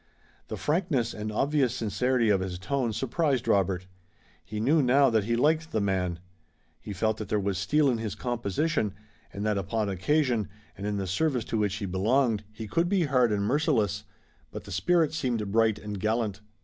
The frankness and obvious sincerity of his tone surprised Robert. He knew now that he liked the man. He felt that there was steel in his composition, and that upon occasion, and in the service to which he belonged, he could be hard and merciless, but the spirit seemed bright and gallant.